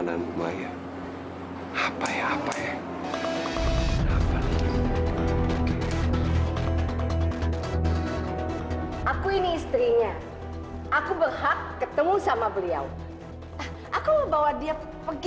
dan maya apa ya apa ya aku ini istrinya aku berhak ketemu sama beliau aku bawa dia pergi